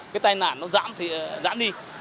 cái tai nạn nó giảm thì giảm đi